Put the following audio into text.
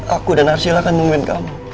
aku dan arsila akan memimpin kamu